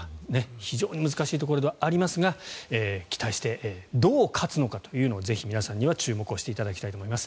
非常に難しいところではありますが期待してどう勝つのかというのをぜひ皆さんには注目していただきたいと思います。